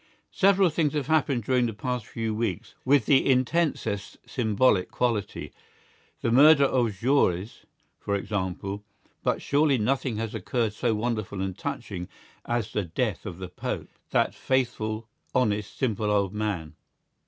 Several things have happened during the past few weeks with the intensest symbolical quality; the murder of Jaurès, for example; but surely nothing has occurred so wonderful and touching as the death of the Pope, that faithful, honest, simple old man.